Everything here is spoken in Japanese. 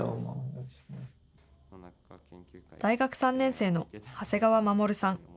大学３年生の長谷川護さん。